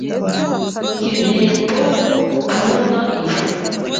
Nkeneye Tom kubona ibi.